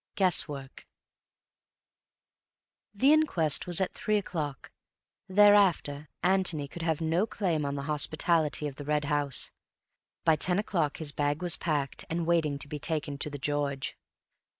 Guess work The inquest was at three o'clock; thereafter Antony could have no claim on the hospitality of the Red House. By ten o'clock his bag was packed, and waiting to be taken to 'The George.